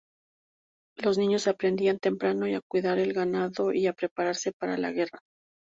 Los niños aprendían temprano a cuidar el ganado y a prepararse para la guerra.